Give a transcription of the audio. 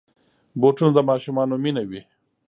بوټونه د ماشومانو مینه وي.